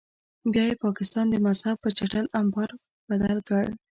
بیا یې پاکستان د مذهب په چټل امبار بدل کړ.